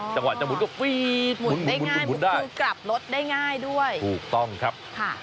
จังหวะจะหมุนก็ปีดหมุนได้ง่ายหมุนคือกลับรถได้ง่ายด้วยถูกต้องครับค่ะ